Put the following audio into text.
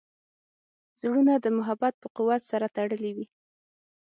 زړونه د محبت په قوت سره تړلي وي.